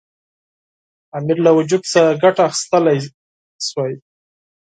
امیر له وجود څخه ګټه اخیستلای شوای.